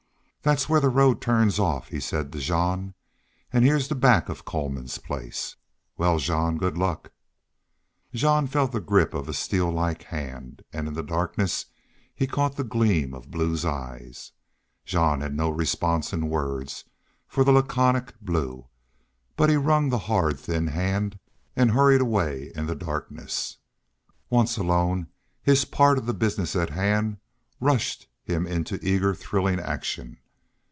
"Thet's where the road turns off," he said to Jean. "An' heah's the back of Coleman's place.... Wal, Jean, good luck!" Jean felt the grip of a steel like hand, and in the darkness he caught the gleam of Blue's eyes. Jean had no response in words for the laconic Blue, but he wrung the hard, thin hand and hurried away in the darkness. Once alone, his part of the business at hand rushed him into eager thrilling action.